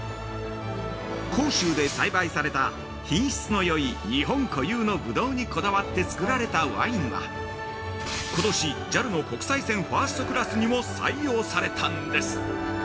甲州で栽培された品質のよい日本固有のぶどうにこだわってつくられたワインはことし、ＪＡＬの国際線ファーストクラスにも採用されたんです。